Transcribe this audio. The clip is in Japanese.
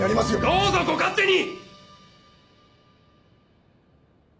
どうぞご勝手に！